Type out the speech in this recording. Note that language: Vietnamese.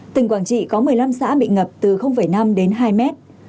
tỉnh quảng trị có một mươi năm xã bị ngập từ năm đến hai mét